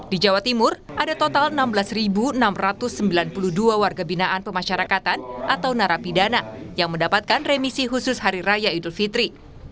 di jawa timur ada total enam belas enam ratus sembilan puluh dua warga binaan pemasyarakatan atau narapidana yang mendapatkan remisi khusus hari raya idul fitri